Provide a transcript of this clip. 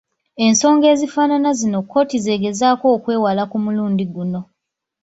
Ensonga ezifaanana zino kkooti z'egezaako okwewala ku mulundi guno.